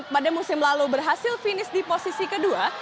pada musim lalu berhasil finish di posisi kedua